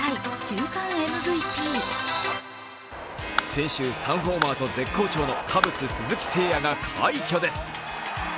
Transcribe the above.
先週３ホーマーと絶好調のカブス・鈴木誠也が快挙です。